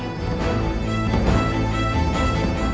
aku lemah sekali